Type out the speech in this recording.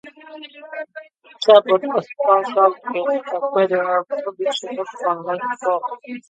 Chabot was a staunch advocate of a federal prohibition of online poker.